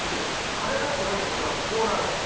「カレーライスと何が違うの？」ってこうなるわけ。